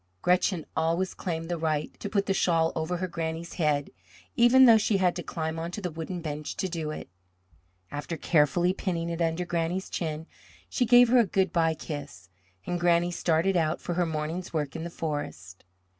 Gretchen always claimed the right to put the shawl over her Granny's head, even though she had to climb onto the wooden bench to do it. After carefully pinning it under Granny's chin, she gave her a good bye kiss, and Granny started out for her morning's work in the forest.